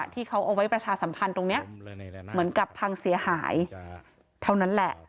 ที่เขาเอาไว้ประชาสัมพันธ์ตรงนี้เหมือนกับพังเสียหายเท่านั้นแหละ